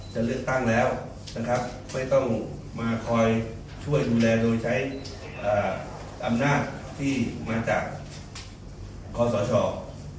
จะเลือกตั้งแล้วนะครับไม่ต้องมาคอยช่วยดูแลโดยใช้อำนาจที่มาจากคอสช